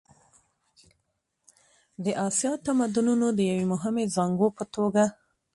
د اسیا د تمدنونو د یوې مهمې زانګو په توګه.